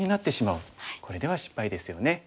これでは失敗ですよね。